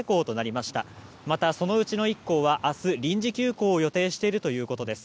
また、そのうちの１校は明日、臨時休校を予定しているということです。